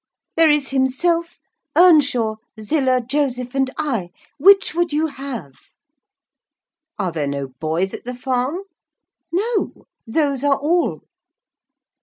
There is himself, Earnshaw, Zillah, Joseph and I. Which would you have?" "Are there no boys at the farm?" "No; those are all."